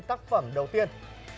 tác phẩm đầu tiên